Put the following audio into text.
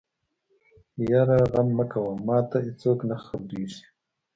يره غم مکوه مانه ايڅوک نه خبرېږي.